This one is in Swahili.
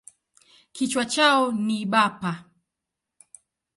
Kichwa chao ni bapa.